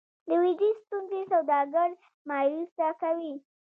د ویزې ستونزې سوداګر مایوسه کوي.